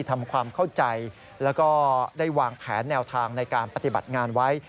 ทำความเข้าใจแล้วก็ได้วางแผนแนวทางในการปฏิบัติงานไว้